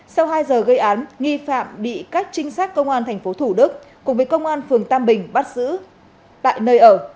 sau hai giờ gây án nghi phạm bị các trinh sát công an tp thủ đức cùng với công an phường tam bình bắt giữ tại nơi ở